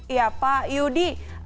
iya pak yudi